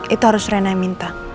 itu harus rena yang minta